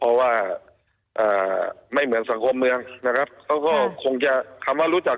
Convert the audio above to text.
เพราะว่าไม่เหมือนสังคมเมืองนะครับเขาก็คงจะคำว่ารู้จัก